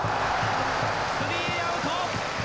スリーアウト！